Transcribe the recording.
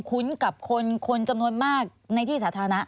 คุ้นกับคนจำนวนมากในที่สาธารณะ